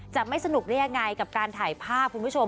จะไม่สนุกได้ยังไงกับการถ่ายภาพคุณผู้ชม